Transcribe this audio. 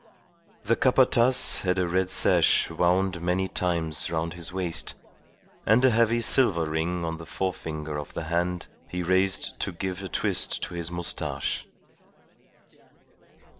The Capataz had a red sash wound many times round his waist, and a heavy silver ring on the forefinger of the hand he raised to give a twist to his moustache.